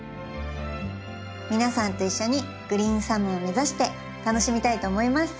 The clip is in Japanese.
皆さんと一緒にグリーンサムを目指して楽しみたいと思います。